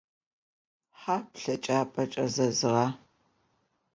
Хьа плъэкӏапӏэ кӏэзэзыра?